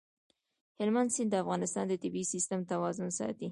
هلمند سیند د افغانستان د طبعي سیسټم توازن ساتي.